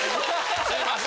すいません。